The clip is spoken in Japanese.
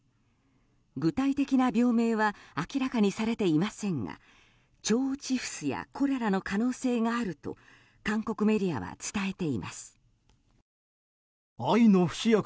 具体的な病名は明らかにされていませんが腸チフスやコレラの可能性があると韓国メディアは伝えています。